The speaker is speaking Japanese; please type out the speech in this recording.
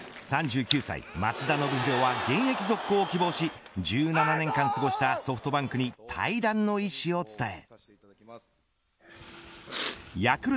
３９歳、松田宣浩は現役続行を希望し１７年間過ごしたソフトバンクに退団の意思を伝え。